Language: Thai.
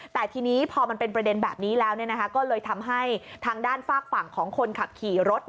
แต่ทีนี้พอมันเป็นประเด็นแบบนี้แล้วก็เลยทำให้ทางด้านฝากฝั่งของคนขับขี่รถ